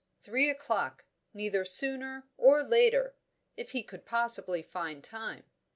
Three o'clock; neither sooner or later; if he could possibly find time.